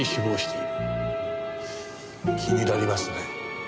気になりますね。